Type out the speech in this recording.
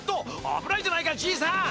あぶないじゃないかじいさん！